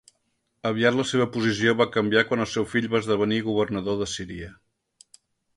Aviat la seva posició va canviar quan el seu fill va esdevenir governador de Síria.